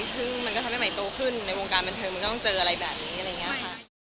ซึ่งมันก็ทำให้ใหม่โตขึ้นในวงการบันเทิงมันก็ต้องเจออะไรแบบนี้อะไรอย่างนี้ค่ะ